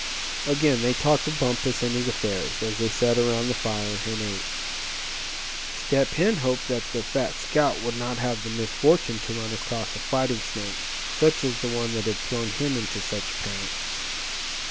Again they talked of Bumpus and his affairs, as they sat around the fire, and ate. Step Hen hoped that the fat scout would not have the misfortune to run across a "fighting snake," such as the one that had thrown him into such a panic.